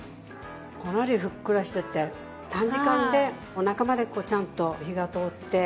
かなりふっくらしてて短時間で中までちゃんと火が通って。